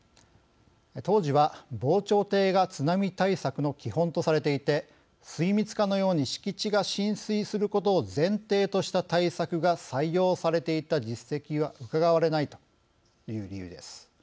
当時は、防潮堤が津波対策の基本とされていて水密化のように敷地が浸水することを前提とした対策が採用されていた実績はうかがわれない、という理由です。